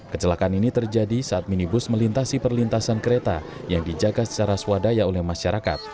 kecelakaan ini terjadi saat minibus melintasi perlintasan kereta yang dijaga secara swadaya oleh masyarakat